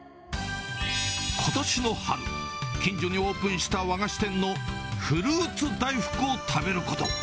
ことしの春、近所にオープンした和菓子店のフルーツ大福を食べること。